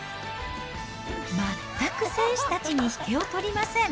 全く選手たちに引けを取りません。